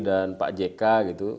dan pak jk gitu